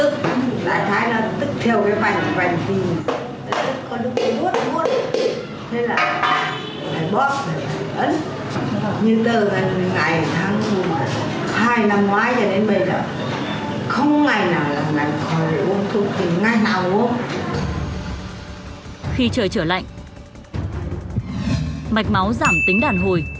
khi trời trở lạnh mạch máu giảm tính đàn hồi